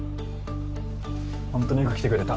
ホントによく来てくれた。